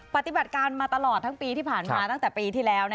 ปฏิบัติการมาตลอดทั้งปีที่ผ่านมาตั้งแต่ปีที่แล้ว